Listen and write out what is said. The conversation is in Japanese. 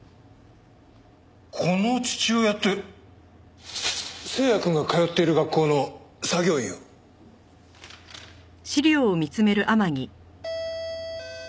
この父親って星也くんが通っている学校の作業員を。